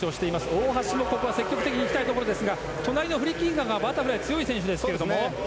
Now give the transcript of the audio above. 大橋も積極的にいきたいところですが隣のフリッキンガーがバタフライ強い選手ですが。